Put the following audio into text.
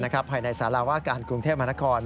ภายในสารวาการกรุงเทพมหานคร